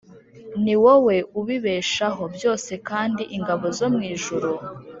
Ni wowe ubibeshaho byose kandi ingabo zo mu ijuru